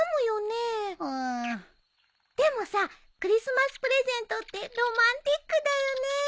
でもさクリスマスプレゼントってロマンチックだよね。